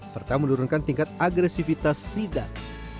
serta menurunkan tingkat agresivitas sidat